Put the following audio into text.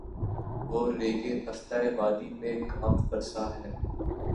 وہ ریگِ تفتۂ وادی پہ گام فرسا ہے